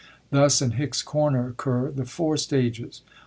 Thus in Hickscomer occur the four stages : 1.